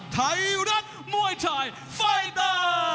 ไทยรัฐมวยไทยไฟเตอร์